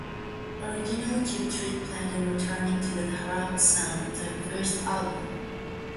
Originally, Cheap Trick planned on returning to the rough sound of their first album.